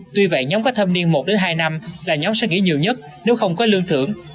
tuy vậy nhóm có thâm niên một hai năm là nhóm sẽ nghỉ nhiều nhất nếu không có lương thưởng